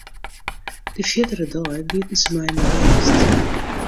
De fierdere dei lieten se my mei rêst.